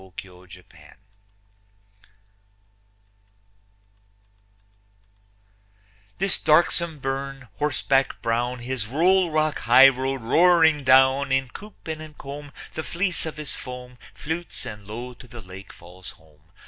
33 Inversnaid THIS darksome burn, horseback brown, His rollrock highroad roaring down, In coop and in comb the fleece of his foam Flutes and low to the lake falls home.